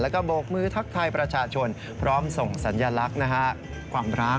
แล้วก็โบกมือทักทายประชาชนพร้อมส่งสัญลักษณ์ความรัก